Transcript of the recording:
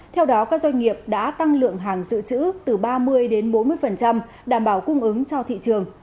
theo đó các doanh nghiệp đã tăng lượng hàng dự trữ từ ba mươi đến bốn mươi đảm bảo cung ứng cho thị trường